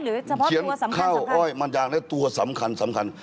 หรือเฉพาะตัวสำคัญสำคัญครับเขียนข้าวอ้อยมันยางและตัวสำคัญ